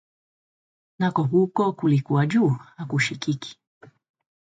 Nako huko kulikuwa juu, hakushikiki